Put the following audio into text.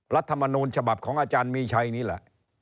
รัฐมนูลฉบับของอาจารย์มีชัยนี่แหละ